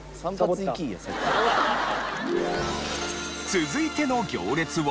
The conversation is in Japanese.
続いての行列は。